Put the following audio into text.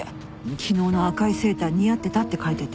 「昨日の赤いセーター似合ってた」って書いてて。